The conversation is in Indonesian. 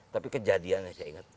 tapi kejadiannya saya ingat